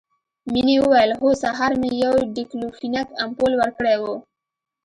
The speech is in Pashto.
مينې وويل هو سهار مې يو ډيکلوفينک امپول ورکړى و.